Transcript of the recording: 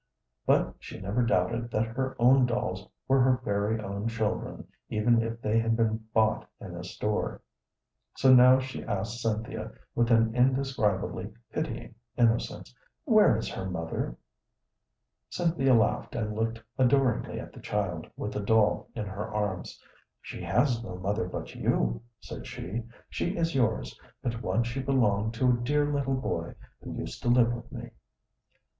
But she never doubted that her own dolls were her very own children even if they had been bought in a store. So now she asked Cynthia with an indescribably pitying innocence, "Where is her mother?" Cynthia laughed and looked adoringly at the child with the doll in her arms. "She has no mother but you," said she. "She is yours, but once she belonged to a dear little boy, who used to live with me."